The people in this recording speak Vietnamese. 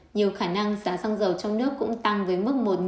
nhiều khả năng giá xăng dầu trong nước cũng tăng với mức một một trăm linh đồng